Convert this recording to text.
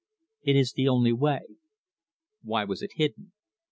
"It is the only way." "Why was it hidden?"